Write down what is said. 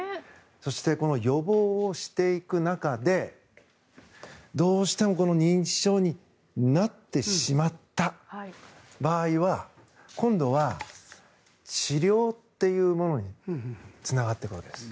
そして予防をしていく中でどうしても認知症になってしまった場合は今度は治療というものにつながっていくわけです。